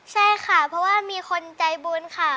ใช่ค่ะเพราะว่ามีคนใจบุญค่ะ